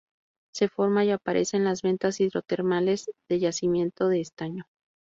Se forma y aparece en las vetas hidrotermales de yacimientos de estaño.